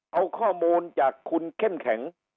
เอาข้อมูลจากคุณเข้มแข็ง